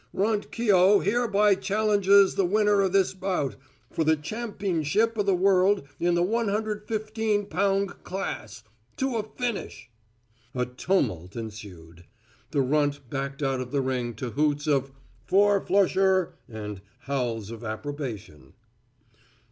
"Runt Keough hereby challenges the winner of this bout, for the championship of th' world in the 115 poung class, to a finish." A tumult ensued. The Runt backed out of the ring to hoots of "fourflusher" and howls of approbation.